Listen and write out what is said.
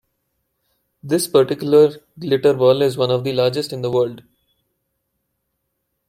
This particular glitter ball is one of the largest in the world.